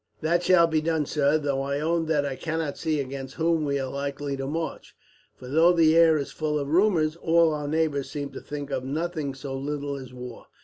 "That shall be done, sir, though I own that I cannot see against whom we are likely to march; for though the air is full of rumours, all our neighbours seem to think of nothing so little as war."